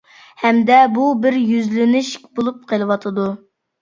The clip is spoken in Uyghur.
ھەمدە بۇ بىر يۈزلىنىش بولۇپ قېلىۋاتىدۇ.